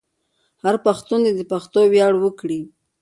هر پښتون دې د پښتو ویاړ وکړي.